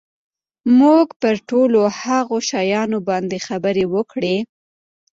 موږ پر ټولو هغو شیانو باندي خبري وکړې.